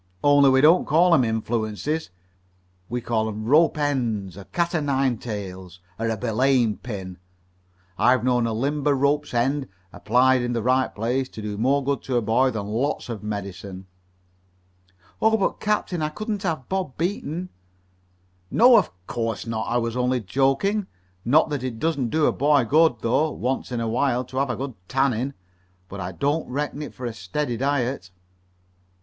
"Only we don't call 'em influences. We call 'em ropes' ends, or cat o' nine tails, or a belaying pin. I've known a limber rope's end, applied in the right place, do more good to a boy than lots of medicine." "Oh, but, captain, I couldn't have Bob beaten!" "No, of course not, I was only joking. Not that it doesn't do a boy good, though, once in a while, to have a good tanning. But I don't recommend it for a steady diet."